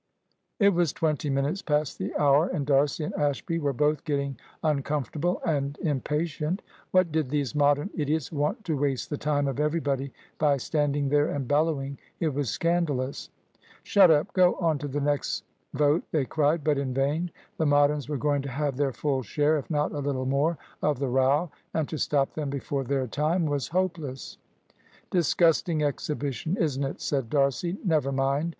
It was twenty minutes past the hour, and D'Arcy and Ashby were both getting uncomfortable and impatient. What did these Modern idiots want to waste the time of everybody by standing there and bellowing! It was scandalous. "Shut up go on to the next vote," they cried, but in vain. The Moderns were going to have their full share, if not a little more, of the row, and to stop them before their time was hopeless. "Disgusting exhibition, isn't it?" said D'Arcy; "never mind.